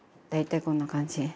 大体こんな感じ。